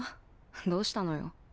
どうしたのよ？